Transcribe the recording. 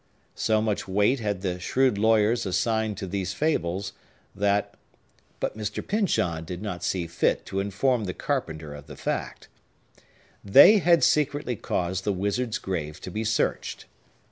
So much weight had the shrewd lawyers assigned to these fables, that (but Mr. Pyncheon did not see fit to inform the carpenter of the fact) they had secretly caused the wizard's grave to be searched.